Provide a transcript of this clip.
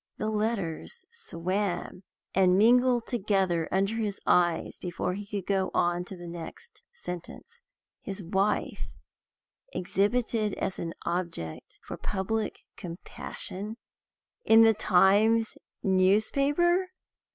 The letters swam and mingled together under his eyes before he could go on to the next sentence. His wife exhibited as an object for public compassion in the Times newspaper!